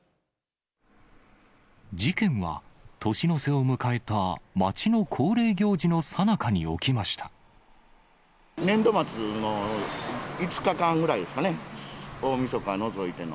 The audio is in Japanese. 事件は年の瀬を迎えた町の恒年度末の５日間ぐらいですかね、大みそか除いての。